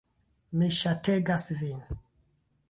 Mi ŝategas ĝin!